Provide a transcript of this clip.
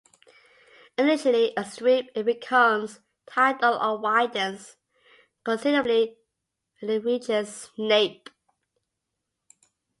Initially a stream, it becomes tidal and widens considerably when it reaches Snape.